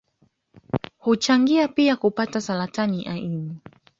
Huchangia pia kupata Saratani ya ini